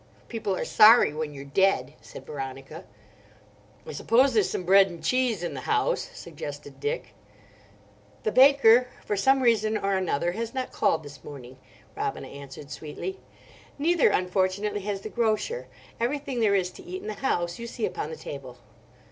"People are sorry when you're dead," said Veronica. "I suppose there's some bread and cheese in the house," suggested Dick. "The baker, for some reason or another, has not called this morning," Robina answered sweetly. "Neither unfortunately has the grocer. Everything there is to eat in the house you see upon the table."